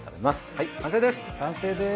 はい完成です。